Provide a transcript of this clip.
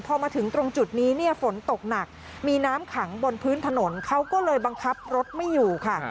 พอมาถึงตรงจุดนี้เนี่ยฝนตกหนักมีน้ำขังบนพื้นถนนเขาก็เลยบังคับรถไม่อยู่ค่ะ